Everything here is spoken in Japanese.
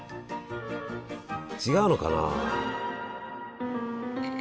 違うのかな。